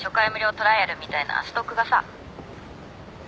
トライアルみたいなストックがさ。